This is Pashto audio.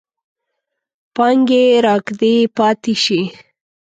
پانګې راکدې پاتې شي.